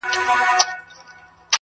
له سپاهيانو يې ساتلم پټولم-